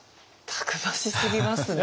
たくましすぎますね。